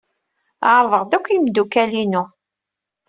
Ɛerḍeɣ-d akk imeddukal-inu.